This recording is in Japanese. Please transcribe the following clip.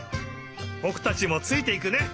ぼくたちもついていくね！